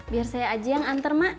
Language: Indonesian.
biar saya aja yang antar mak